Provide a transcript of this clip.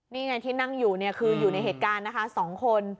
นี่ไงที่นั่งอยู่ก็อยู่ในเหตุการณ์สองคน